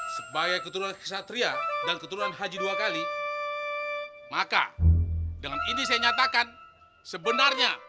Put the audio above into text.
sebagai keturunan kesatria dan keturunan haji dua kali maka dengan ini saya nyatakan sebenarnya